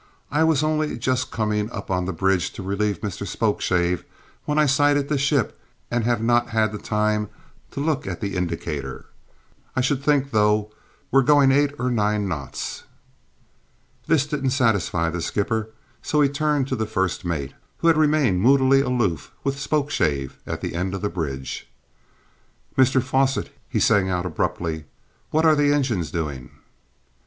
"I was only just coming up on the bridge to relieve Mr Spokeshave when I sighted the ship and have not had time to look at the indicator. I should think, though, we're going eight or nine knots." This didn't satisfy the skipper, so he turned to the first mate, who had remained moodily aloof with Spokeshave at the end of the bridge. "Mr Fosset," he sang out abruptly, "what are the engines doing?"